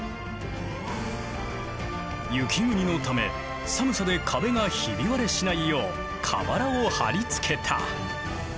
雪国のため寒さで壁がひび割れしないよう瓦をはりつけた。